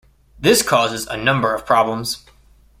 This causes a number of problems.